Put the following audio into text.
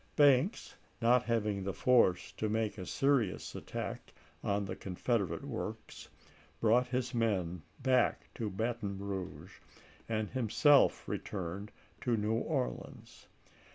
Banks, not having the force to make a serious attack on the Confederate works, brought his men back to Baton Eouge, and himself returned to New Orleans.